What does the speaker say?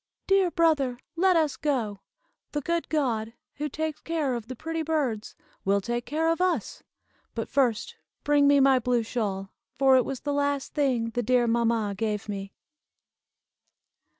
"Dear brother, let us go! The good God, who takes care of the pretty birds, will take care of us. But first bring me my blue shawl, for it was the last thing the dear mamma gave me."